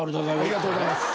ありがとうございます。